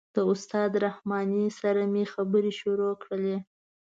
د استاد رحماني سره مې خبرې شروع کړلې.